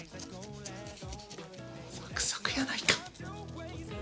サクサクやないか！